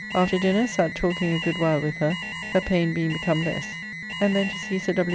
After dinner sat talking a good while with her, her [pain] being become less, and then to see Sir W.